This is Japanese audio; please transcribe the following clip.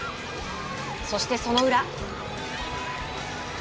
そして、その裏。